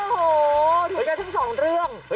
โอ้โหถึงจากซังสองเรื่อง